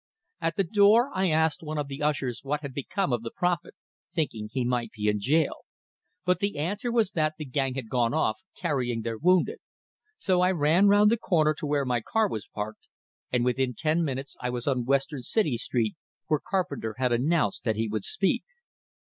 At the door I asked one of the ushers what had become of the prophet, thinking he might be in jail. But the answer was that the gang had gone off, carrying their wounded; so I ran round the corner to where my car was parked, and within ten minutes I was on Western City Street, where Carpenter had announced that he would speak.